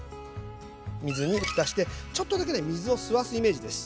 水に浸してちょっとだけ水を吸わすイメージです。